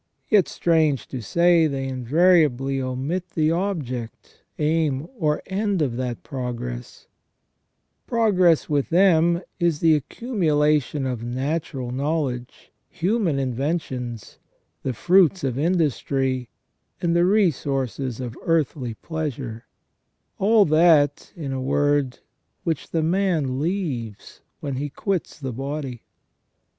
Yet strange to say, they invariably omit the object, aim, or end of that progress : progress with them is the accumula tion of natural knowledge, human inventions, the fruits of industry, and the resources of earthly pleasure — all that, in a word, which the man leaves when he quits the body.